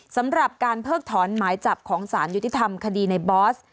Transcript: สำหรับการเพิกถอนหมายจับของสารยุติธรรมคดีในบอส